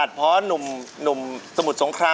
สวัสดีครับ